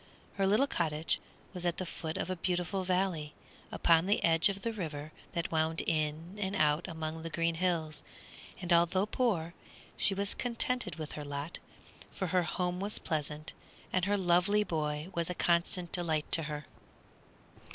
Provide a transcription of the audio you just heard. Her little cottage was at the foot of a beautiful valley, upon the edge of the river that wound in and out among the green hills; and although poor, she was contented with her lot, for her home was pleasant and her lovely boy was a constant delight to her.